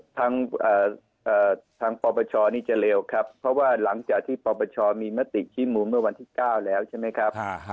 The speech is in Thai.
ทางปปชนี่จะเร็วครับเพราะว่าหลังจากที่ปปชมีมติชี้มูลเมื่อวันที่๙แล้วใช่ไหมครับ